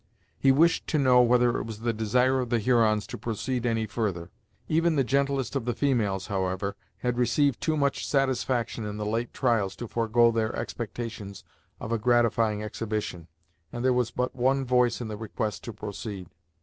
He wished to know whether it was the desire of the Hurons to proceed any further. Even the gentlest of the females, however, had received too much satisfaction in the late trials to forego their expectations of a gratifying exhibition, and there was but one voice in the request to proceed.